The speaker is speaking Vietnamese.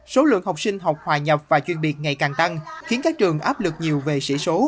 số lượng học sinh học hòa nhập và chuyên biệt ngày càng tăng khiến các trường áp lực nhiều về sĩ số